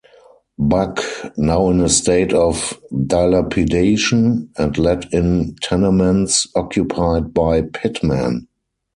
Buck, now in a state of dilapidation, and let in tenements occupied by pitmen.